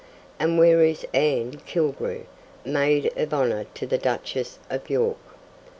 and where is Anne Killigrew, maid of honour to the Duchess of York?